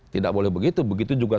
tidak boleh begitu begitu juga